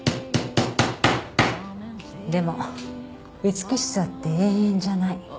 でも美しさって永遠じゃない。